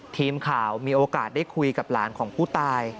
ทีมข่าวมีโอกาสได้คุยกับหลานของผู้ตาย